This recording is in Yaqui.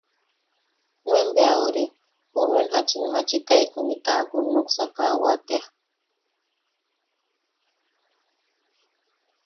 Nuen... bea ori... nuen jachin machikai juni kakun nuksakawa tea.